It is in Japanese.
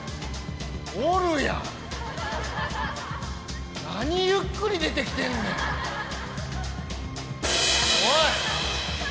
おるやん何ゆっくり出てきてんねんおい！